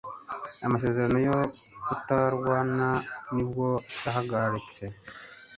amasezerano yo kutarwana nibwo yahagaritse